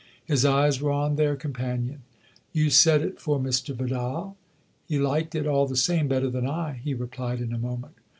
His eyes were on their com panion. "You said it for Mr. Vidal? He liked it, all the same, better than I," he replied in a moment.